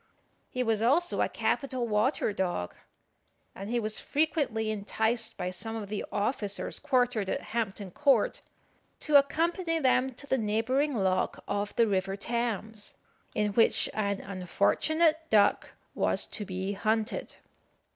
He was also a capital water dog; and he was frequently enticed by some of the officers quartered at Hampton Court to accompany them to the neighbouring lock of the river Thames, in which an unfortunate duck was to be hunted.